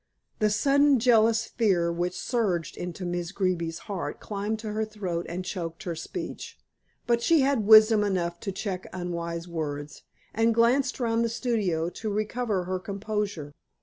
The sudden, jealous fear which surged into Miss Greeby's heart climbed to her throat and choked her speech. But she had wisdom enough to check unwise words, and glanced round the studio to recover her composure.